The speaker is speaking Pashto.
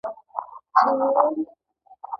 د مرکزي بانک هڅې کامیابه وې؟